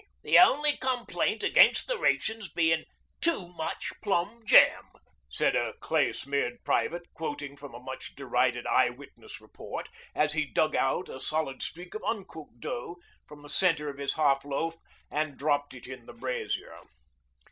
'The only complaint against the rations bein' too much plum jam,' said a clay smeared private, quoting from a much derided 'Eye witness' report as he dug out a solid streak of uncooked dough from the centre of his half loaf and dropped it in the brazier.